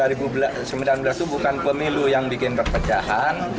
dua ribu sembilan belas itu bukan pemilu yang bikin perpecahan